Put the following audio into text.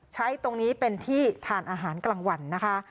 ใช้ตรงนี้เป็นที่ทานอาหารกลางวันนะคะ